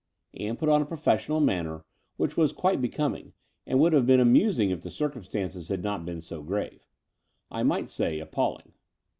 '* Ann put on a professional manner which was quite becoming, and would have been amusing if the circumstances had not been so grave — I might say, appalling.